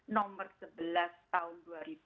nomor sebelas tahun dua ribu dua